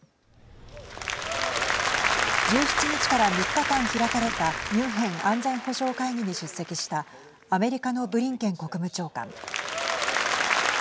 １７日から３日間開かれたミュンヘン安全保障会議に出席したアメリカのブリンケン国務長官。